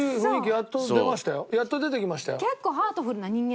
やっと出てきましたよ。